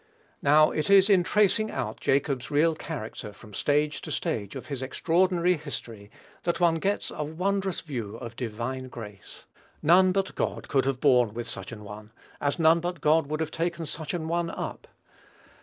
Now, it is in tracing out Jacob's real character from stage to stage of his extraordinary history, that one gets a wondrous view of divine grace. None but God could have borne with such an one, as none but God would have taken such an one up.